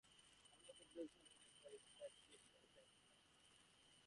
Normal capitalization rules apply with respect to "Shift" and "Caps Lock" keys.